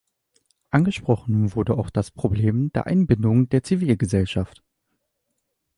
Angesprochen wurde auch das Problem der Einbindung der Zivilgesellschaft.